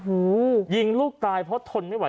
หูยิงลูกตายเพราะทนไม่ไห